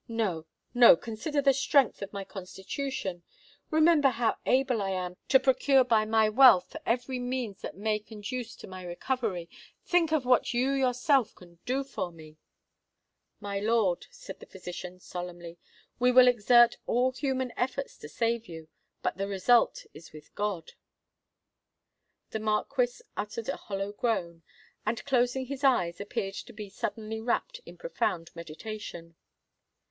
No—no: consider the strength of my constitution—remember how able I am to procure by my wealth every means that may conduce to my recovery—think of what you yourself can do for me——" "My lord," said the physician, solemnly, "we will exert all human efforts to save you: but the result is with God!" The Marquis uttered a hollow groan, and, closing his eyes, appeared to be suddenly wrapt in profound meditation.